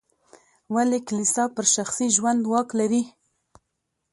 ولې کلیسا پر شخصي ژوند واک لري.